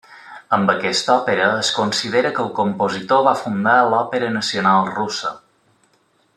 Amb aquesta òpera es considera que el compositor va fundar l'òpera nacional russa.